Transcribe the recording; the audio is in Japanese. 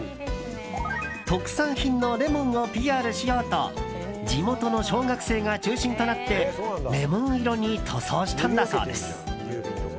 特産品のレモンをＰＲしようと地元の小学生が中心となってレモン色に塗装したんだそうです。